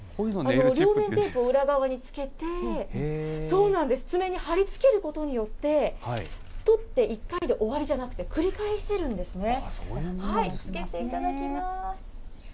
両面テープを裏側につけて、爪に貼りつけることによって取って１回で終わりじゃなくて、繰りそういうものなんですね。